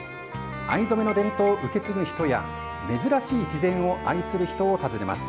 藍染めの伝統を受け継ぐ人や珍しい自然を愛する人を訪ねます。